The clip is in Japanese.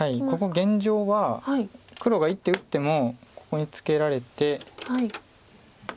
ここ現状は黒が１手打ってもここにツケられて。